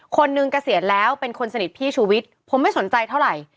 คนนึงกระเสียแล้วเป็นคนสนิทพี่ชูวิชผมไม่สนใจเท่าไหร่